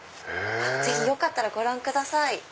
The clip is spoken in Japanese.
ぜひよかったらご覧ください。